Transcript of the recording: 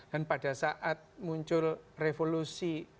dan pada saat muncul revolusi